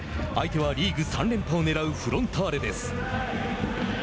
相手は、リーグ３連覇をねらうフロンターレです。